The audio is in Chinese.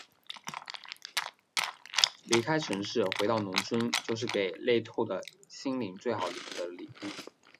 离开城市，回到农村，就是给累透的心灵最好的礼物。